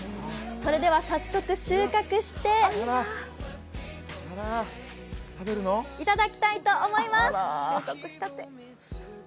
それでは早速、収穫していただきたいと思います！